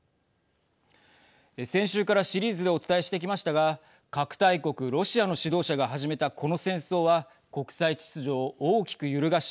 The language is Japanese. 先週からシリーズでお伝えしてきましたが核大国、ロシアの指導者が始めたこの戦争は国際秩序を大きく揺るがし